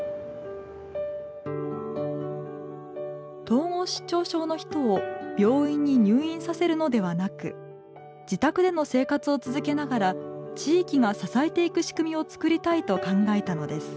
統合失調症の人を病院に入院させるのではなく自宅での生活を続けながら地域が支えていく仕組みを作りたいと考えたのです。